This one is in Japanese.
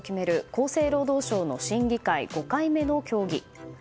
厚生労働省の審議会５回目の協議。